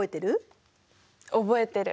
覚えてる。